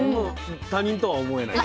他人とは思えない。